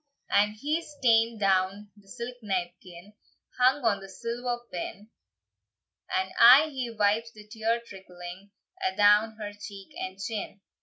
And he's taen down the silk napkin, Hung on a silver pin, And aye he wipes the tear trickling A'down her cheek and chin.